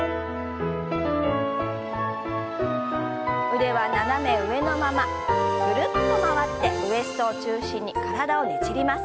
腕は斜め上のままぐるっと回ってウエストを中心に体をねじります。